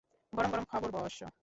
গরম গরম খবর, বস!